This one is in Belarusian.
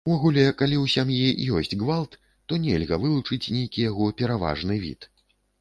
Увогуле, калі ў сям'і ёсць гвалт, то нельга вылучыць нейкі яго пераважны від.